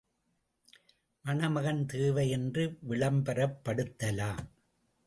மணமகன் தேவை என்று விளம்பரப்படுத்தலாம்.